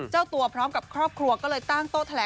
หรือ